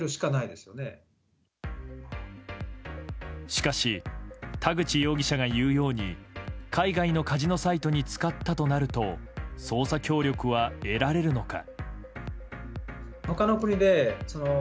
しかし田口容疑者が言うように海外のカジノサイトに使ったとなると捜査協力は得られるのか。